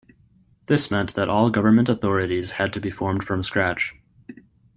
This meant that all government authorities had to be formed from scratch.